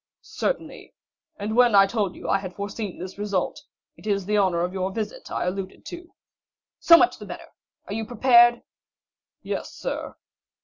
"Certainly. And when I told you I had foreseen the result, it is the honor of your visit I alluded to." "So much the better. Are you prepared?" "Yes, sir."